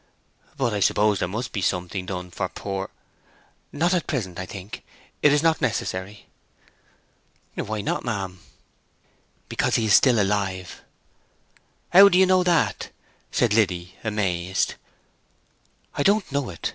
"But I suppose there must be something done for poor—" "Not at present, I think. It is not necessary." "Why not, ma'am?" "Because he's still alive." "How do you know that?" said Liddy, amazed. "I don't know it.